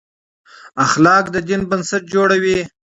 اخلاق د دین بنسټ جوړوي.